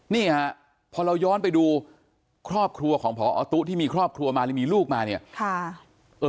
นี่ฮะพอเราย้อนไปดูครอบครัวของพอตุ๊ที่มีครอบครัวมาหรือมีลูกมาเนี่ย